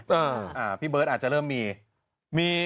อ่าค่ะพี่เบิร์ทอาจจะเริ่มมี